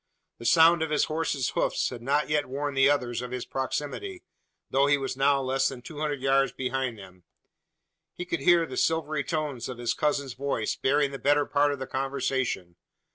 The sound of his horse's hoofs had not yet warned the others of his proximity though he was now less than two hundred yards behind them! He could hear the silvery tones of his cousin's voice bearing the better part of the conversation.